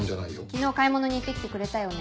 昨日買い物に行って来てくれたよね？